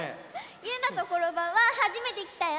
ゆうなとコロバウははじめてきたよ！